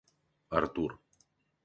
Артур